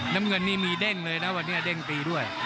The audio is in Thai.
น้ำเงินนี่มีเด้งเลยนะวันนี้เด้งตีด้วย